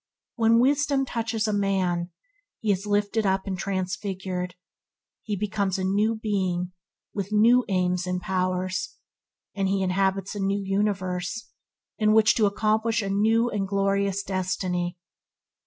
When wisdom touches a man, he is lifted up and transfigured. He becomes a new being with new aims and powers, and he inhabits a new universe in which to accomplish a new and glorious destiny.